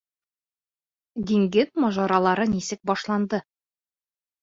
ДИҢГЕҘ МАЖАРАЛАРЫ НИСЕК БАШЛАНДЫ